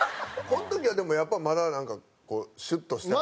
この時はでもやっぱまだなんかシュッとして。